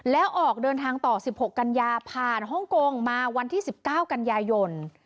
แล้วออกเดินทางต่อ๑๖กันยาผ่านฮ่องกงมาวันที่๑๙กันยายน